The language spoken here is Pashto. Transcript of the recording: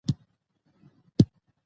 منګل په خوست کې یو لوی قوم دی.